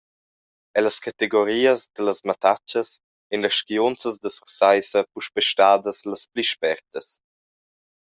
Ellas categorias dallas mattaschas ein las skiunzas da Sursaissa puspei stadas las pli spertas.